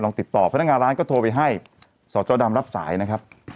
ติดต่อพนักงานร้านก็โทรไปให้สจดำรับสายนะครับ